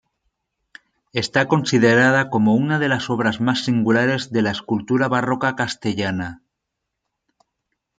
Está considerada como una de las obras más singulares de la escultura barroca castellana.